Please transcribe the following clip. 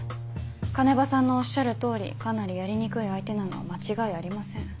鐘場さんのおっしゃる通りかなりやりにくい相手なのは間違いありません。